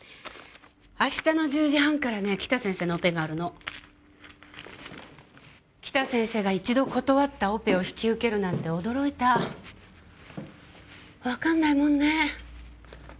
明日の１０時半から北先生のオペがあるの北先生が一度断ったオペを引き受けるなんて驚いた分かんないもんね